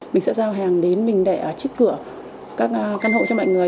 mình sẽ giao hàng đến mình để ở trước cửa các căn hộ cho mọi người